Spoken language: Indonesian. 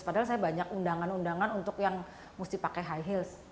padahal saya banyak undangan undangan untuk yang mesti pakai high heels